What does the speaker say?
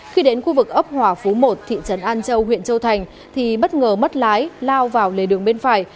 khi đến khu vực ấp hòa phú một thị trấn an châu huyện châu thành thì bất ngờ mất lái lao vào lề đường bên phải